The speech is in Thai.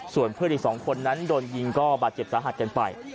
ส่วนเพื่อนอีก๒คนนั้นโดนยิงก็บาดเจ็บสาหัสกันไป